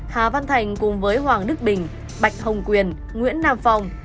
hà văn thành cùng với hoàng đức bình bạch hồng quyền nguyễn nam phong